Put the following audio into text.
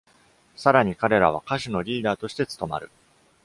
さらに、彼らは歌手の「リーダー」として務まる。